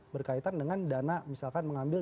berkaitan dengan dana misalkan mengambil